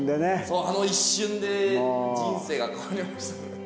そうあの一瞬で人生が変わりましたので。